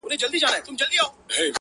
زه د یویشتم قرن غضب ته فکر نه کوم ـ